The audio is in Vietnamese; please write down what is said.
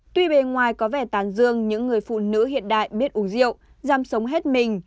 tuy bề ngoài có vẻ tàn dương những người phụ nữ hiện đại biết uống rượu giam sống hết mình